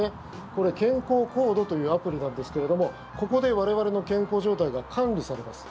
これ、健康コードというアプリなんですけれどもここで我々の健康状態が管理されます。